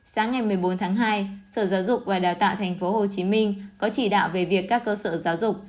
sáng ngày một mươi bốn tháng hai sở giáo dục và đào tạo tp hcm có chỉ đạo về việc các cơ sở giáo dục